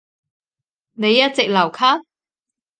你一直留級？